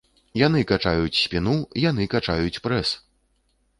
Яны качаюць спіну, яны качаюць прэс!